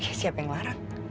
ya siapa yang larang